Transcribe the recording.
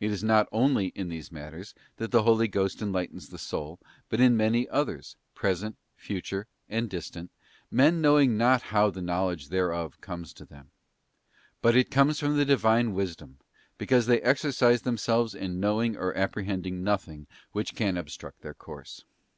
It is not only in these matters that the Holy Ghost enlightens the soul, but in many others, present, future, and distant—men knowing not how the knowledge thereof comestothem. Butit comes from the Divine Wisdom, because they exercise themselves in knowing or apprehend ing nothing, which can obstruct their course.